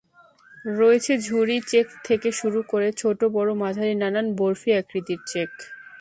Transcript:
রয়েছে ঝুরি চেক থেকে শুরু করে ছোট-বড়-মাঝারি নানান বরফি আকৃতির চেক।